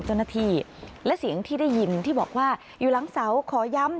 เจ้าหน้าที่และเสียงที่ได้ยินที่บอกว่าอยู่หลังเสาขอย้ำ